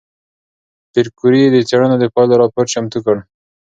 پېیر کوري د څېړنو د پایلو راپور چمتو کړ.